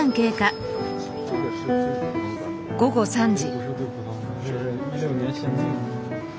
午後３時。